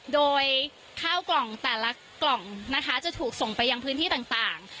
โดยข้าวกล่องจะถูกส่งไปยังพื้นที่ต่าง